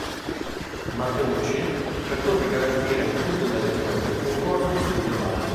Matteucci cercò di garantire in tutte le Regioni un corso di studio valido.